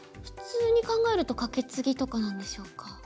普通に考えるとカケツギとかなんでしょうか。